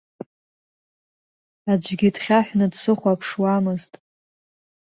Аӡәгьы дхьаҳәны дсыхәаԥшуамызт.